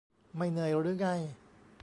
ไม่เหนื่อยหรือไง